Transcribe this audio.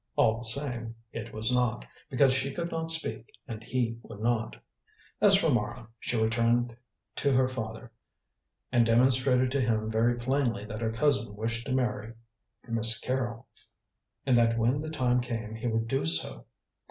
All the same, it was not, because she could not speak and he would not. As for Mara, she returned to her father and demonstrated to him very plainly that her cousin wished to marry Miss Carrol, and that when the time came he would do so.